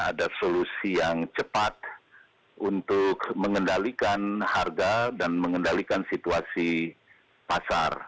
ada solusi yang cepat untuk mengendalikan harga dan mengendalikan situasi pasar